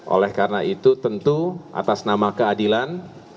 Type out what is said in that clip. oleh karena itu tentu atas nama keadilan